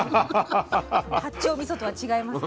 八丁みそとは違います？